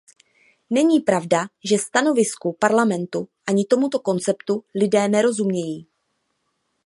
Není pravda, že stanovisku Parlamentu ani tomuto konceptu lidé nerozumějí.